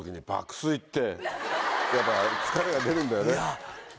やっぱ疲れが出るんだよね。